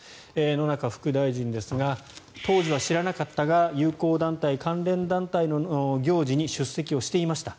野中副大臣ですが当時は知らなかったが友好団体、関連団体の行事に出席していました。